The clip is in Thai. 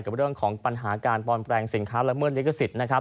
กับเรื่องของปัญหาการปลอดแปลงสินค้าระเมิดเล็กซิต